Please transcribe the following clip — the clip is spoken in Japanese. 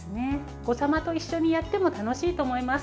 お子様と一緒にやっても楽しいと思います。